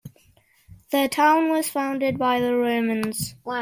The town was founded by the Romans.